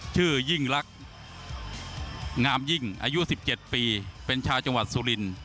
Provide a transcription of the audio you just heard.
ชื่อยิ่งรักงามยิ่งอายุ๑๗ปีเป็นชาวจังหวัดสุรินทร์